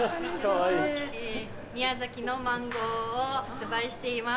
宮崎のマンゴーを発売しています